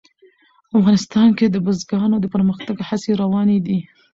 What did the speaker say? افغانستان کې د بزګانو د پرمختګ هڅې روانې دي.